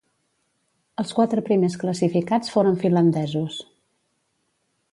Els quatre primers classificats foren finlandesos.